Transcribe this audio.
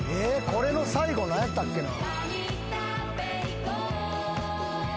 これの最後何やったっけな？